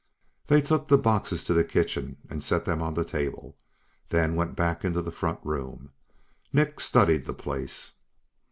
They took the boxes to the kitchen and set them on the table, then went back into the front room. Nick studied the place.